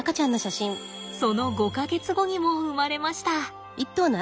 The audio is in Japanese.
その５か月後にも生まれました。